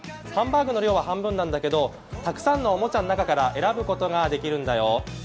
ハンバーグの量は半分なんだけど、たくさんのおもちゃの中から選ぶことができるんだよ。